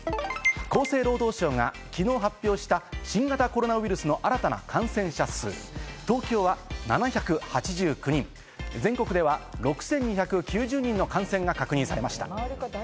厚生労働省が昨日発表した新型コロナウイルスの新たな感染者数、東京は７８９人、全国では６２９０人の感染が確認されました。